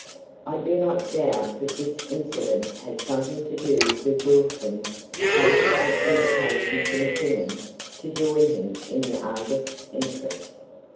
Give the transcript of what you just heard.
I do not doubt that this incident had something to do with Wilson's subsequent invitation to Mackinnon to join him in the "Argus" interest.